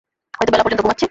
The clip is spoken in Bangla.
হয়তো বেলা পর্যন্ত ঘুমাচ্ছে।